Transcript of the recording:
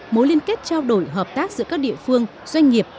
mối liên kết trao đổi hợp tác giữa các địa phương doanh nghiệp